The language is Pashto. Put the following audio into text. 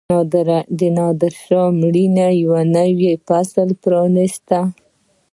د نادرشاه مړینې یو نوی فصل پرانیست.